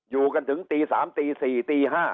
อยู่กันถึงตี๓ตี๔ตี๕